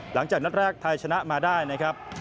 หลังจากนัดแรกไทยชนะมาได้นะครับ